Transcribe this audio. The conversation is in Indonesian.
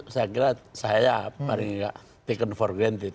saya kira saya paling tidak taken for granted